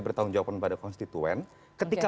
pertanggung jawab kepada konstituen ketika